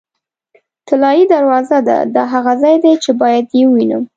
طلایي دروازه ده، دا هغه ځای دی چې باید یې ووینم.